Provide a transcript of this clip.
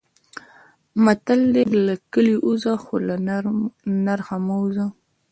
متل دی: له کلي ووځه خو له نرخه مه وځه.